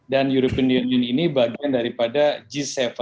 dan european union ini bagian daripada g tujuh